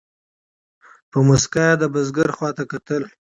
په موسکا یې د دهقان خواته کتله